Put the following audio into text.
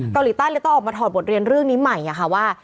เกาหลีใต้เลยต้องออกมาถอดบทเรียนเรื่องนี้ใหม่ค่ะว่า